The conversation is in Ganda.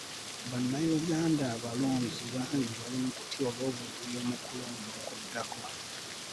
Bannayuganda abalonzi bangi bali mu kutya olw'obuvuyo mu kulonda okuddako.